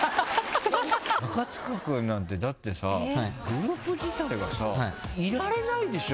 中務君だってさグループ自体がいられないでしょ。